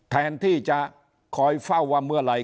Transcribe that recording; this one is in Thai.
แทนที่จะคอยเฝ้าว่าเมื่อไหร่